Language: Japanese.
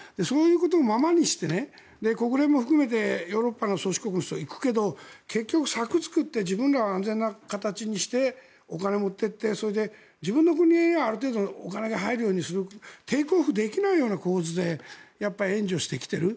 それをそのままにして国連も含めてヨーロッパの宗主国の人が行くけど結局、柵を作って自分たちは安全な形にしてお金を持っていって自分の国にある程度お金が入るようにするテイクオフできないような構図で援助してきている。